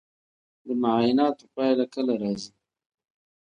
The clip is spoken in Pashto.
د معایناتو پایله کله راځي؟